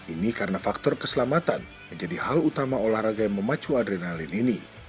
ini karena faktor keselamatan menjadi hal utama olahraga yang memacu adrenalin ini